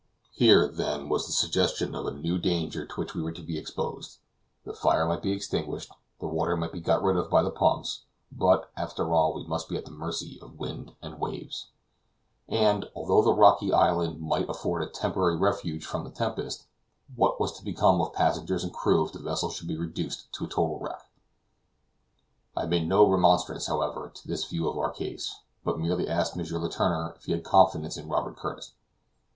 Here, then, was the suggestion of a new danger to which we were to be exposed; the fire might be extinguished, the water might be got rid of by the pumps, but, after all, we must be at the mercy of the wind and waves; and, although the rocky island might afford a temporary refuge from the tempest, what was to become of passengers and crew if the vessel should be reduced to a total wreck? I made no remonstrance, however, to this view of our case, but merely asked M. Letourneur if he had confidence in Robert Curtis?